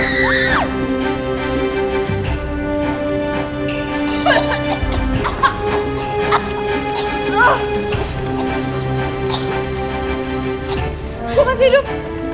gue masih hidup